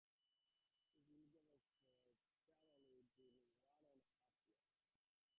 He is eligible for parole within one and a half years.